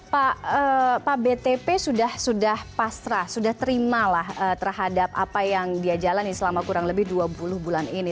pak btp sudah pasrah sudah terima lah terhadap apa yang dia jalani selama kurang lebih dua puluh bulan ini